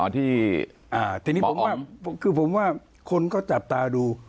ทีนี้ผมว่าคือผมว่าคนก็จับตาดู